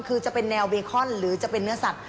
คือจะเป็นแนวเบคอนหรือจะเป็นเนื้อสัตว